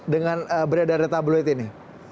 dengan berada di tabloid ini